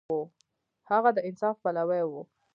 هغه د انصاف پلوی و.